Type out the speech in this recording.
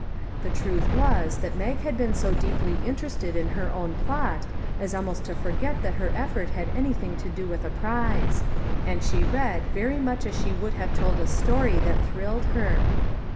The truth was that Mag had been so deeply inter ested in her own plot as almost to forget that her effort had anything to do with a prize ; and she read very much as she would have told a story that thrilled her.